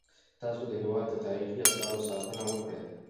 تاسو د هیواد د تاریخي اثارو ساتنه وکړئ.